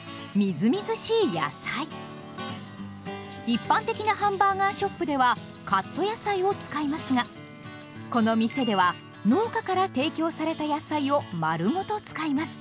一般的なハンバーガーショップではカット野菜を使いますがこの店では農家から提供された野菜をまるごと使います。